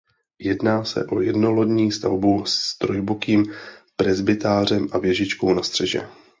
Jedná se o jednolodní stavbu s trojbokým presbytářem a věžičkou na střeše.